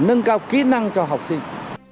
nâng cao kỹ năng cho học sinh